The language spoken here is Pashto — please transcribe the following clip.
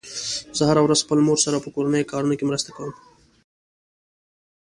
زه هره ورځ خپلې مور سره په کورنیو کارونو کې مرسته کوم